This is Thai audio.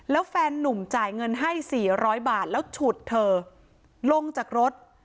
แล้วแฟนนุ่มจ่ายเงินให้๔๐๐บาทแล้วฉุดเธอลงจากรถ